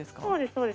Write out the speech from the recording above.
そうです。